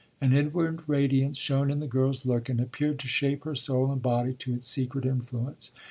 An inward radiance shone in the girl's look, and appeared to shape her soul and body to its secret influence.